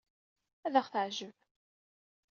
Ad aɣ-teɛjeb.